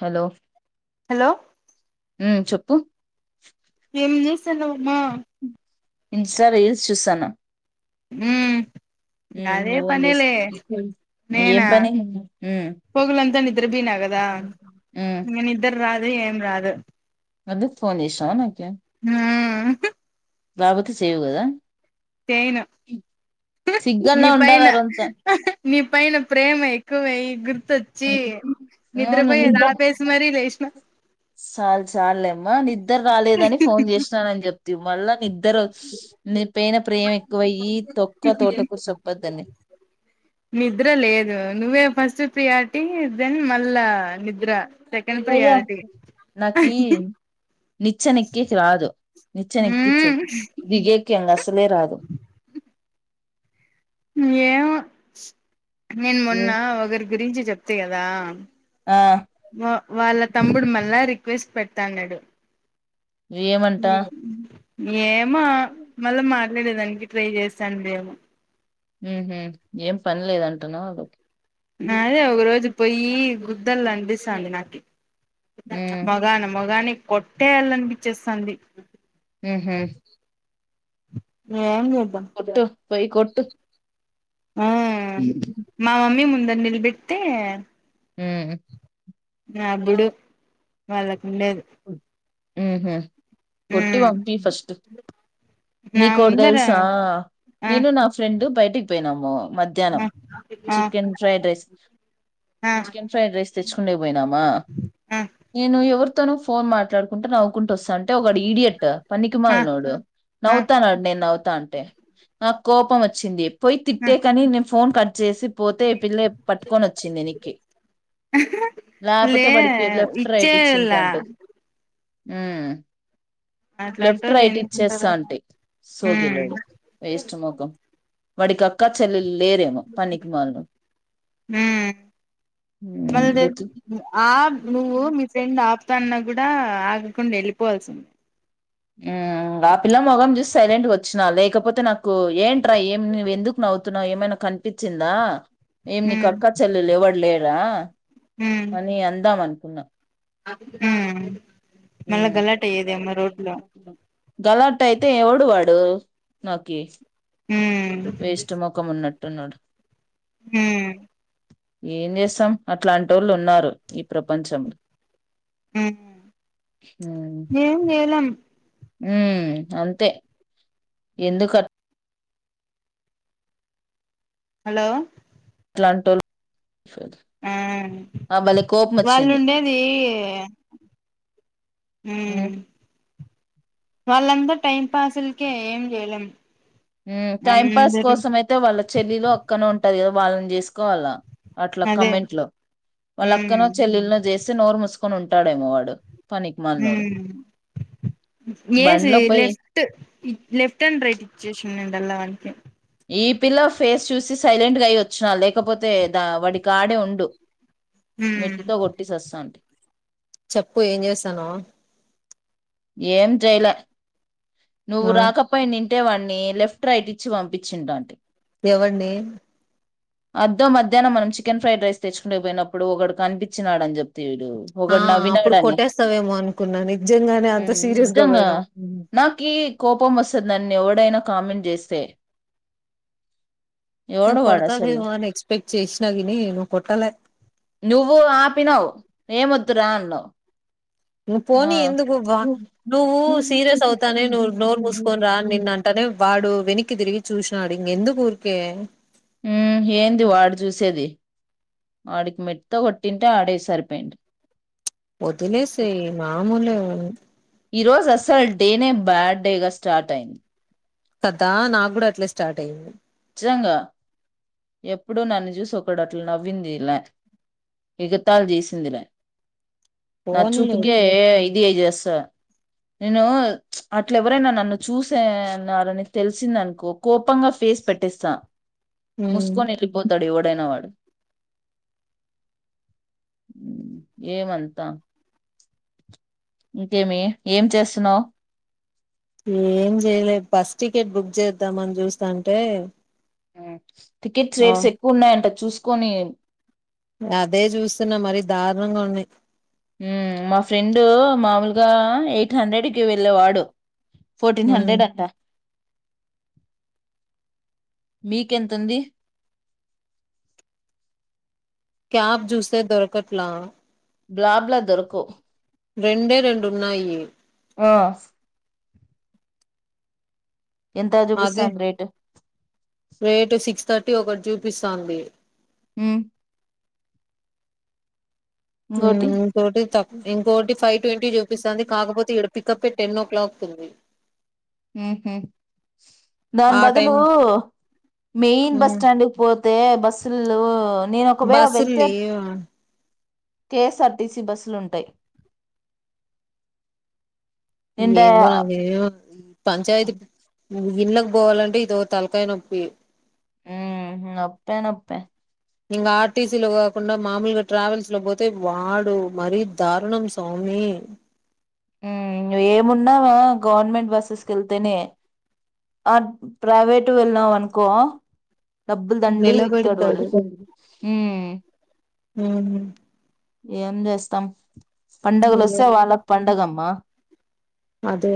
Hello hello మ్ చెప్పు ఏం నిూసల ఉమ్మా ఇన్స్టా రీల్స్ చూసాను మ్ అదే నువ్వేం పనిలే చేస్తు ఏం నేనా పని ఉమ్ పోగలంతా నిద్ర బి నాగదా ననుద్ద్ర రా అ ఏం రాదు అది పోనీషానకే ఆ రాపోతే చెయ్యవు కదా చేయను నీ సిగ్గన్నా ఉండాల పైన రొంత నీ పైన ప్రేమ ఎక్కువై ఇ తెచ్చి అవును నిద్రపోయేది నిద్ర ఆపేసి మరి లేచిన చాలు చాలలేమ్మా ఇద్దరు రాలేదని ఫోన్ చేసిన అని చేపు ది మల్ల నిద్దరు నిపైన ప్రేమ ఎక్కువ అయి తొక్క తోటకూర సోపోద్దనే నిద్ర లేదు నువ్వే ఫస్ట్ ప్రియారిటి మల్ల నిద్ర సెకండ్ అయ్య ప్రియారిటీ నాకిీ నిచ్చెన ఎక్కి రాదు నిచ్చెన ఎకి నిచ్చన ఉమ్ ఎక్కించకు ముఖ్యంగా అసలే రాదు ఏమో నేను ఏం మొన్న ఒకరి గురించి చెప్త తీయదా ఆ వా వాళ్ళ తమ్ముడు మళ్ల్ళా రి రిక్వెస్ట్ పెడతాన్నాడు ఏమంటా [inaudible] ఏం మా మళ్ళ మా ఆల్రెడీ రన్ గిట్ల చేస్తాండేమో ఉహ ఏం పని లేదంటనా వాళ్ళకి అదే ఒక రోజు పోయి గు ఇద్దల కనిపిస్తంది నాకి ఉమ్ మగాన మగాని కొట్టేయాలనిపించేస్తుంది ఉహు ఏం చె ఒత్త పోయికొట్టు ఆ మా మమ్మీ ముందండె బిట్టతే హు నా అప్పుడు వాళ్ళకు లేదు ఉహూ కొట్టి పంపి ఫస్ట్ నా నీకోటి ముందర తెలుసా ఆ నేను నా ఫ్రెండ్ బయటికి పోయినామో మధ్యాహ్నం ఆ చికెన్ ఫ్రైడ్ రైస్ ఆ చికెన్ ఫ్రైడ్ రైస్ తెచ్చుకుండేకి పోయినామా ఆ నేను ఎవరు ను ఫోన్ మాట్లాడుకుంటే నవ్వుకుంట వస్తుంటే ఒక ఈడియట్ ఆ పనికిమాలినోడు ఆ నవ్వుతానడు నేను నవ్వుతా అంటే నాకు కోపం వచ్చింది పోయి ఆ తిట్టే కని నేను ఫోన్ కట్ చేసి పోతే ఈ పిల్లె పట్టుకొని వచ్చింది వెనక్కి లే లేకపోతే వాడికి లెఫ్ట్ రైట్ ఇచ్చిట్ ఇచ్చేయలా అంటిది ఉమ్ అట్లాంటి లెఫ్ట్ వాళ్ళు రైట్ ఎందుకుంటారో ఏమో ఇచ్చేస్తాంటి సోగిలోడు వేస్ట్ ముఖం వాడికి అక్క చెల్ల్ ఉమ్ ఉమ్ మళ్ళ ఆ నువ్ మీ ఎట్ల ఫ్రెండ్ ఆ తన్న కూడా ఆగకుండా వెళ్ళిపోవల్సింది ఆ పిల్ల మొగం చూసి సైలెంట్ వచ్చినా లేకపోతే నాకు ఏంట్రా ఏం నువ్వు ఎందుకు నవ్వుతున్నావు ఏమైనా కనిపించిందా ఏం నీకి ఉమ్ అక్కా చెల్లెల్లు ఎవడు లేరా రా ఉమ్ అని అందమాన్ సున్నా ఉమ్ మళ్ళా గలాట అయ్యేదేమో రోడ్లో. గలట్ అయితే ఎవడువాడు నాకి. ఉమ్ వేస్ట్ ముఖం ఉన్నట్టున్నాడు ఉమ్ ఏం చేస్తాం అట్లాంటి వాళ్ళు ఉన్నారు ఈ ప్రపంచంలో ఉమ్ ఏం చేయలేం ఉమ్ అంతే ఎందుక హలో అట్లాంటోల్. ఆ వాళ్ళు కోపమొచ్చింది. ఉండేది హ్మ్. ఉమ్. వాళ్ళంతా టైం పాస్లకే ఏం చేయలేం. ఉమ్, టైం పాస్ అందరూ కోసం అయితే వాళ్ళ చెల్లిలో అక్కనో ఉన్. టాది కదా వాళ్ళని చేసుకోవాలా. అట్లా అదే కమెంట్ లో, వాళ్ళు అక్కనో ఉమ్ చెల్లెల్నో జేస్. సి నోరు ముూసుకోని ఉంటాడేమో వాడు. పనికి మాలినోడు ఏసి బండ్లో పోయి లెఫ్ట్, లెఫ్ట్ అండ్ రైట్ ఇచ్చేసి. [unintelligible] వానికి. ఈ పిల్ల ఫేస్ చూసి సైలెంట్గా అయి ఓచ్చిన, లేకపోతే ద వాడికి ఆడే ఉండు. ఉమ్ మెట్టితో కొట్టి సస్సాన్టీ. చెప్పు ఏం జేస్తాన్నావ్. ఏం చైలే. నువ్వు ఆ రాకపోయి నిన్. అంటే వాడిని లెఫ్ట్, రైట్ ఇచ్చి పంపించిం ఉన్టాన్టి. ఏవడ్ని. అద్దో మధ్యాహ్నం మనం చికెన్ ఫ్రైడ్ రైస్ తెచ్చుకుంటికీ పోయినప్పుడు, ఒకడు కనిపించినాడు అని చెప్. ఆ అప్పుడు కొట్టేస్తావేమో అనుకున్నా నిజ్జాంగానే ఆన్. నిధంగా నిజ్జంగా నాకి కోపం వస్తాద్ నన్నే. ఎవడైనా కామెంట్ చేస్తే. ఎవడు నేన్ వాడు అసలు కొడతాడదేమో అని ఎక్స్పెక్ట్ చేసినా గిని, నువ్ కొట్టాలే. ఏమొద్దు రా అన్నావ్. ను ఆ పోనీ ఎందుకు బా నువ్వు సీరియస్ అవుతానే, నువ్వు నోరు మూసుకొని రా నిన్న అంటానే వాడు. వెనక్కి తెరిగి చూసినాడు, ఇంగ ఎందుకూరికే. ఉమ్ ఏంది వాడు చూసేది, వాడిక్ మెట్టితో కొట్టింటే ఆడే సరిపోయిండు. ఓదిలేసెయి మామూలే అది. ఈ రోజు అసల్ డేనే, బ్యాడ్ డే గా స్టార్ట్ అయింది. కదా నాకు కూడా అట్లే స్టార్ట్ అయింది నిచ్చితంగా ఎప్పుడూ నన్ను చూసి ఒకడట్లు నవ్విందిలా ఇగతాలు చేసిందిలా నా పోనీలే చూపు గ ఇట్లే ఇదిదస్త తా, నేను అట్ల ఎవరైనా నన్ను చూసేనారని తెలిసిందనుకో కోపంగా ఫేస్ పెట్. ఇస్తా. ఉమ్ ముస్కోనీ ఎల్లిపోతాడ్ ఎవడ్. డైన వాడు. ఉమ్ ఏమంతా ఇంకేమి ఏం చేస్తున్నావ్. ఏం చేయలేద్ బస్ టికెట్ బుక్ చేద్దాంని చూస్తా అంటే. ఉమ్. టికట్స్ రేట్స్ ఎక్కువ ఉన్నాయంటద్. చూసుకొని అదే చూస్తున్నా మరి దారుణంగా ఉన్నాయి మా ఫ్రెండు మాముూలుగా ఎయిట్ హండ్రెడ్ కి వెళ్ళేవాడు ఫోర్టీన్ ఉమ్ హండ్రెడ్ అంట మీకెంతంది క్యాబ్ జూస దొరకట్లా బ్లాబ్ల దొరుకు రెండే రెండు ఉన్నాయి ఆ ఎంత అజు బిస్ అదే అంద రేట్ రేటు సిక్స్ థర్టీ ఒకటి చూపిస్తుాంది అ ఇంకోటి ఇంకోటి త ఇంకోటి ఫైవ్ ట్వంటీ చూపిస్తుంది కాకపోతే ఈక్కడ పికప్ టెన్ ఓ క్లాక్ సడి దాని ఆ బదులు టైమ్ మెయిన్ బస్ ఉమ్ స్టాండ్కి పో బస్లు నేను ఒకవేళ బస్సులు వెళ్తే లేవా కెఎస్ఆర్టిసీ బస్సులుంటాయి ఏందో నాే పంచాయత ఇళ్ళకి పోవాలంటే ఇదో తలకాయ నొప్పి అప్పేన అప్పే ఇంకా ఆర్టీసీలో కాకుండా మామూలుగా ట్రావెల్స్ లో పోతే వాడు మరీ దారుణం స్వామి ఏమున్నావా గవర్నమెంట్ బస్సెస్ క వెళ్తేనే ఆ ప్రైవేటు వెళ్ళాంనుకో డబ్బులు దండి విక్కడుడు నిలబెడతాడు ఆహ ఏం చేస్తాం పండుగలు వస్తే వాళ్ళకు పండగమ్మా అదే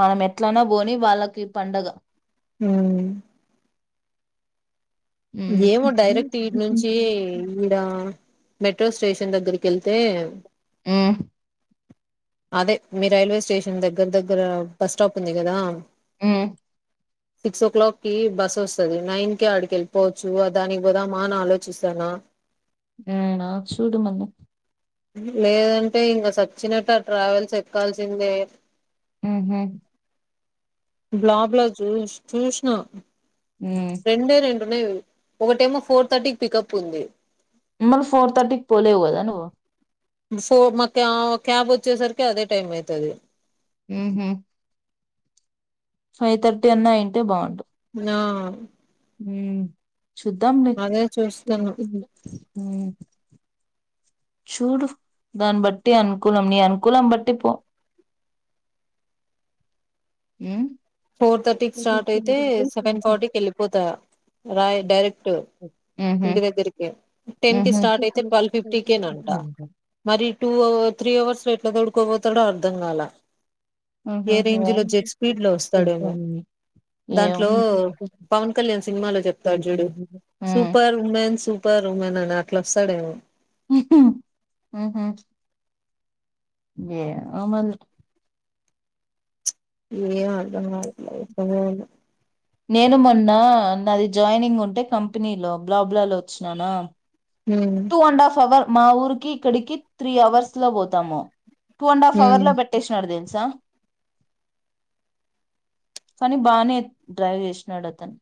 మనం ఎ ఇట్లనే పోని వాళ్ళకి పండగ హ ఉమ్ ఏమో డైరెక్ట్ వీటి నుంచి ఈడ మెట్రో స్టేషన్ దగ్గరికి వెళ్తే ఆ అదే మీ రైల్వే స్టేషన్ దగ్గర దగ్గర బస్ స్టాప్ ఉంది కదా ఆ సిక్స్ ఓ క్లాక్ కి బస్ వస్తుంది నైన్ కి ఆడికెళ్ి పోవచ్చు దానికి పోదామా అని ఆలోచిస్తానా ఏనా చూడుమన్న లేదంటే ఇంకా సచ్చినట్టు ఆ ట్రావెల్స్ ఎక్కాల్సిందే హ బలాబ్లా చూ చూసిన రెండే రెం అదే ఒక టైమొ ఫోర్ థర్టీ పికప్ ఉంది. మరి ఫోర్ థర్టీకి పోలేవు నువ్వు? ఫో మా క్యాబ్ వచ్చేసరికి అదే టైం అవుతుది. ఊహ ఫైవ్ థర్టీ అన్నా అయింటే బాగుంటుంది. ఆ ఊ చూద్దాం లే అదే ఊ చూస్తున్నా చూడు దాన్ని బట్టి అనుకూలం, నీ అనుకూలం బట్టి పో. ఊ ఫోర్ థర్టీకి స్టార్ట్ అయితే సెవెన్ ఫార్టీకి వెళ్ళిపోతా. రా డైరెక్ట్ ఇంటి దగ్గరికి టెన్ కి స్టార్ట్ అయితే ఏమో ట్వెల్వ్ ఉమ్. ఫిఫ్టీకేనంట మరి టూ అవర్ త్రీ అవర్స్ లో ఎట్లా తోడుకోపోతాడో అర్థం కాల. ఏ రేంజ్ లో జెట్ స్పీడ్ లో వస్తుంది. డేమో దాంట్లో పవన్ కళ్యాణ్ సినిమాలో చెప్తాడు చూడు సూపర్ ఉమెన్ సూపర్ ఉమెన్ అని. అట్లా వస్తాడేమొ ఉహు ఊహ ఏ అమలు ఏమొ అ [unintelligible] నేను మొన్న నాది జాయినింగ్ ఉంటే కంపెనీలో బ్లాబ్లాలో వచ్చిననా. హ్మ్ టూ అండ్ హాఫ్ అవర్ మా ఊరికి, ఇక్కడికి త్రీ అవర్స్ లో పోతాము. టూ అండ్ అఫ్ అవర్ హ్మ్ లో పెట్టేసినడు దేని సా కానీ బానే డ్రైవ్ చేసినాడు అతను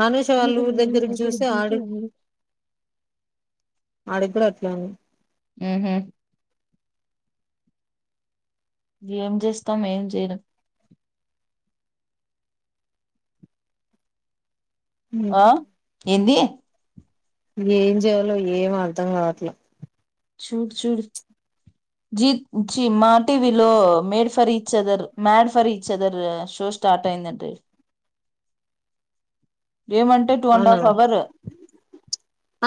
హనుష వాళ్ళు ఊరి దగ్గరకి చూసి ఆడు అడిద్దురు అట్లని ఆహ ఏం చేస్తాం ఏం చేయడం ఓ ఆ ఏంది ఏం చేయాలో ఏం అర్ధం కావట్లే. చూడు చూడు జీ జీ మా టీవీలో made for each other made for each other show start అయిందండి. ఏ మంటే టూ అండ్ అవునా హాఫ్ అవర్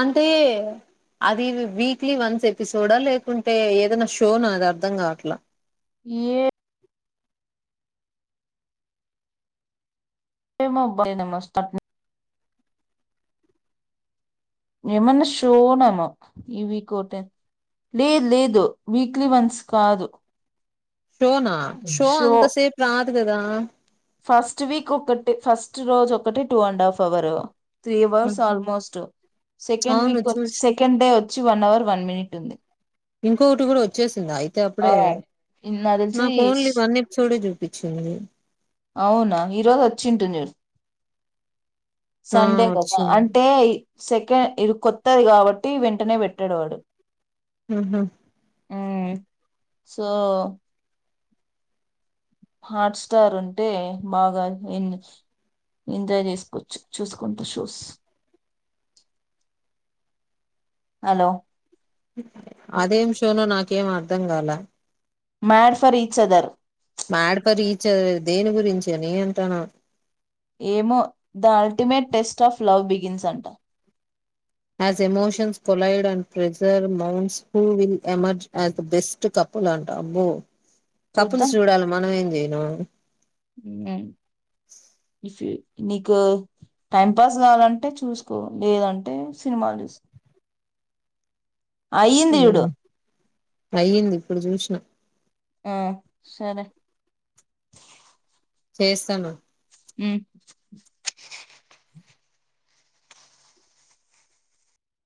అంటే అది వీక్లీ వన్స్ ఎపిసోడా లేకుంటే ఏదైనా షోనా అది అర్ధం కావట్లా. ఏ ఏమో బా నే [unintelligible] ఏమన్నా షోనమో ఈవీకో టెన్ లేదు లేదు వీక్లీ వంత్స్ కాదు షోనా షో అంత సేప్ రాదు కదా ఫస్ట్ వీక్ ఒకటి ఫస్ట్ రోజు ఒకటి two and half hour three hours almost second అవును వీక్ చూసి సెకండ్ డే వచ్చి వన్ అవర్ వన్ మినిట్ ఉంది ఇంకొకటి కూడా వచ్చేసింది అయితే ఆ అప్పుడే నాకు నా తెలిసి ఫోన్ లో వన్ ఎపిసోడే చూపించింది అవునా ఈ రజు వచ్చింటుది మీరు ఆ సండే కదా వచ్చింది అంటే సెకండ్ ఇది కొత్తది కాబట్టి వెంటనే పెట్టాడు వాడు ఉహూ ఉమ్ సో హాట్ స్టార్ ఉంటే బాగా ఎన్ ఎంజాయ్ చేసుకోవచ్చు చూసుకుంటా షోస్ హలో అది ఏం షోనో నాకు ఇంకేం అర్ధం కాల mad for each other mad for each other దేని గురించి అని అంటున్న ఏమో the ultimate test of love begins అంట as emotions collide and pressure mounts who will emerge as the best couple అంట అబ్బో చూద్దాం కపుల్స్ చూడాలి మనం ఏం చేయి నవ్వు ఇఫ్ నీకు టైం పాస్ కావాలంటే చూసుకో లేదంటే సినిమాలు చూసుకో అయింది ఉమ్ చూడు అయ్యింది ఇప్పుడు చూసినా ఆ సరే చేస్తాను ఉమ్